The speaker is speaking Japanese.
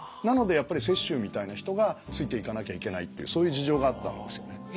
なのでやっぱり雪舟みたいな人がついていかなきゃいけないっていうそういう事情があったんですよね。